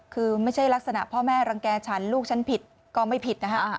คือไม่ใช่ลักษณะพ่อแม่รังแก่ฉันลูกฉันผิดก็ไม่ผิดนะฮะ